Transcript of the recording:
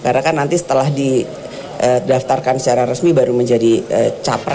karena kan nanti setelah didaftarkan secara resmi baru menjadi capres